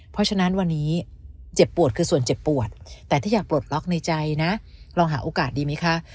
เพราะฉะนั้นวันนี้เจ็บปวดคือส่วนเจ็บปวดแต่ถ้าอยากปลดล็อกในใจนะลองหาโอกาสดีไหมคะ